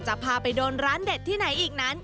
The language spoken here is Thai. จะพาไปโดนร้านเด็ดที่ไหนอีกนั้น